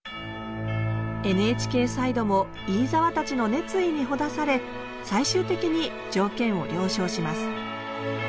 ＮＨＫサイドも飯沢たちの熱意にほだされ最終的に条件を了承します。